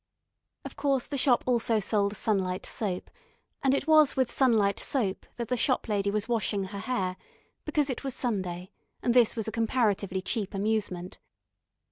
Of course the shop also sold Sunlight Soap, and it was with Sunlight Soap that the shop lady was washing her hair, because it was Sunday, and this was a comparatively cheap amusement.